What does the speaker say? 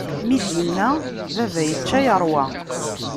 Mi d-inna, baba yečča yeṛwa.